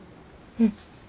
うん。